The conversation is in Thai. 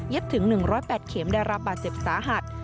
ถึง๑๐๘เข็มได้รับบาดเจ็บสาหัส